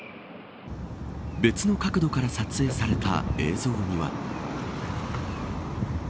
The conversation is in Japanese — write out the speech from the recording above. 別の角度から撮影された映像には。